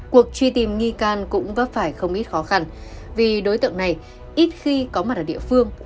cuộc truy tìm nghi can cũng vấp phải không ít khó khăn vì đối tượng này ít khi có mặt ở địa phương